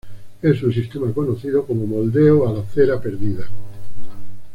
Es un sistema conocido como moldeo a la cera perdida.